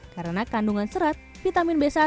karena kandungan serat vitamin b satu